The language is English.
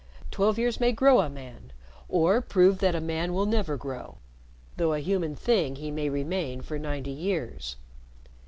Twelve years may grow a man or prove that a man will never grow, though a human thing he may remain for ninety years.